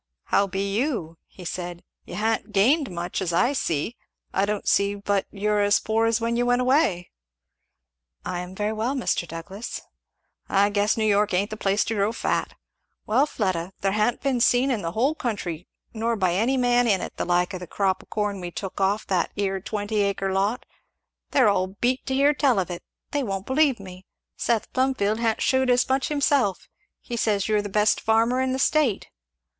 "How be you?" he said. "You ha'n't gained much, as I see. I don't see but you're as poor as when you went away." "I am very well, Mr. Douglass." "I guess New York ain't the place to grow fat. Well, Fleda, there ha'n't been seen in the whole country, or by any man in it, the like of the crop of corn we took off that 'ere twenty acre lot they're all beat to hear tell of it they won't believe me Seth Plumfield ha'n't shewed as much himself he says you're the best farmer in the state."